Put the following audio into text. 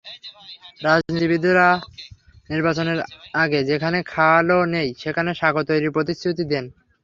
রাজনীতিবিদেরা নির্বাচনের আগে যেখানে খালও নেই, সেখানে সাঁকো তৈরির প্রতিশ্রুতি দেন।